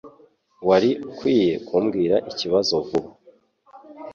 Wari ukwiye kumbwira ikibazo vuba.